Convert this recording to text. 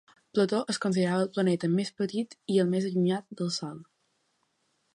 Plutó es considerava el planeta més petit i el més allunyat del Sol.